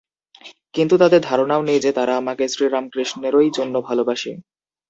কিন্তু তাদের ধারণাও নেই যে, তারা আমাকে শ্রীরামকৃষ্ণেরই জন্য ভালবাসে।